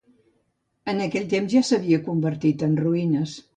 En aquell temps ja s'havia convertit en ruïnes.